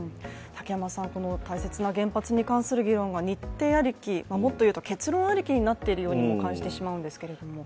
大切な原発に関する議論が日程ありきもっというと結論ありきになっているようにも感じるんですけども。